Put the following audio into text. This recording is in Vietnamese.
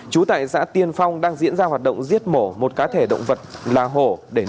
chú tại xã tiên phong đang diễn ra hoạt động giết mổ một cá thể động vật là hổ